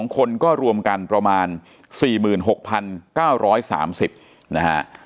๒คนก็รวมกันประมาณ๔๖๙๓๐นะฮะ